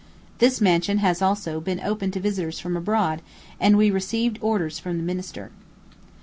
This mansion has also, been opened to visitors from abroad, and we received orders from the minister.